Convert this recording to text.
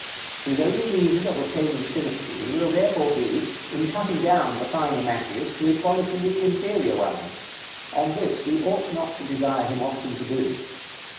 His only means of obtaining symmetry will therefore be, in cutting down the finer masses to equality with the inferior ones; and this we ought not to desire him often to do.